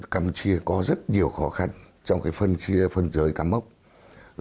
campuchia có rất nhiều khó khăn trong cái phân chia phân giới campuchia